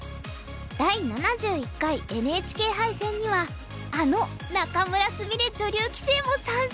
第７１回ＮＨＫ杯戦にはあの仲邑菫女流棋聖も参戦！